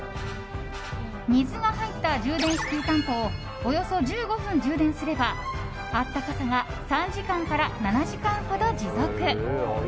水が入った充電式湯たんぽをおよそ１５分充電すれば温かさが３時間から７時間ほど持続。